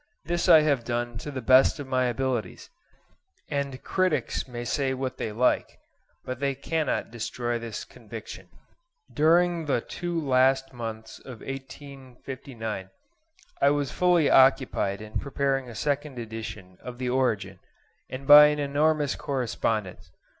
This I have done to the best of my abilities, and critics may say what they like, but they cannot destroy this conviction. During the two last months of 1859 I was fully occupied in preparing a second edition of the 'Origin,' and by an enormous correspondence.